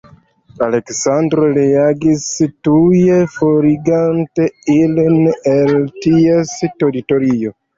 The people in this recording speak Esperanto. Aleksandro reagis tuje, forigante ilin el ties teritorio.